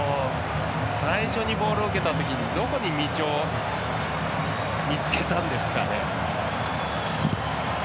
最初にボールを受けたときにどこに道を見つけたんですかね。